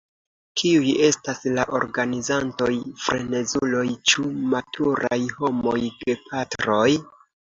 Kiuj estas la organizantoj-frenezuloj, ĉu maturaj homoj, gepatroj?